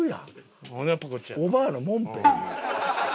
おばぁのもんぺやん。